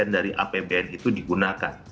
dari apbn itu digunakan